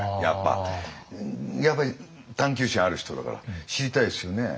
やっぱり探求心ある人だから知りたいですよね。